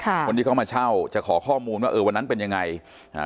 คนที่เขามาเช่าจะขอข้อมูลว่าเออวันนั้นเป็นยังไงอ่า